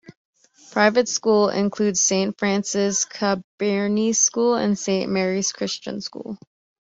Private schools include, Saint Frances Cabrini School and Saint Mary's Christian School.